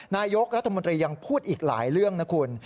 นายกรัฐมนตรียังพูดอีกหลายเรื่องนะคุณ